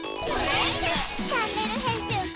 「チャンネル編集部」！